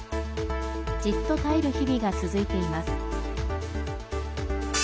じっと耐える日々が続いています。